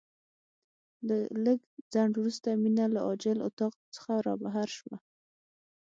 له لږ ځنډ وروسته مينه له عاجل اتاق څخه رابهر شوه.